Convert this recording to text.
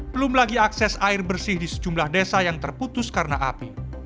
belum lagi akses air bersih di sejumlah desa yang terputus karena api